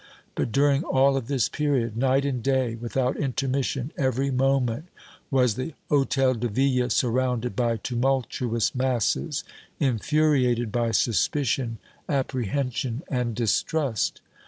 But during all of this period, night and day without intermission, every moment was the Hôtel de Ville surrounded by tumultuous masses infuriated by suspicion, apprehension and distrust.